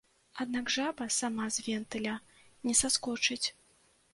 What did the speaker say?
Аднак жаба сама з вентыля не саскочыць.